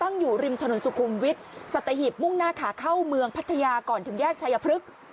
อยู่ริมถนนสุขุมวิทย์สัตหิบมุ่งหน้าขาเข้าเมืองพัทยาก่อนถึงแยกชายพฤกษ์